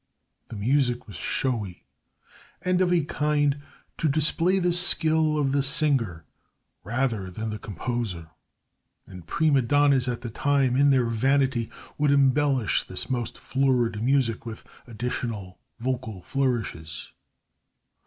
The music was showy, and of a kind to display the skill of the singer rather than the composer. And prima donnas at times in their vanity would embellish this most florid music with additional vocal flourishes.